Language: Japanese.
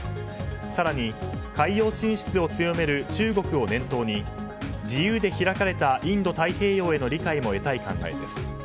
更に海洋進出を強める中国を念頭に自由で開かれたインド太平洋への理解も得たい考えです。